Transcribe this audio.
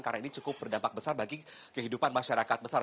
karena ini cukup berdampak besar bagi kehidupan masyarakat besar